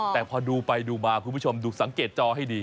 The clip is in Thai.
แต่พอดูไปดูมาคุณผู้ชมดูสังเกตจอให้ดี